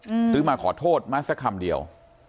หรือมาขอโทษมาสักคำเดียว